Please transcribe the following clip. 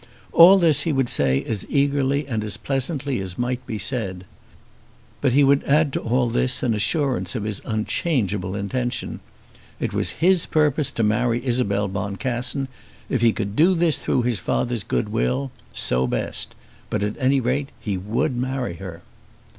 All this he would say as eagerly and as pleasantly as it might be said. But he would add to all this an assurance of his unchangeable intention. It was his purpose to marry Isabel Boncassen. If he could do this with his father's good will, so best. But at any rate he would marry her!